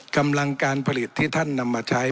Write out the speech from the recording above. กำลังการผลิตที่ท่านนำมาใช้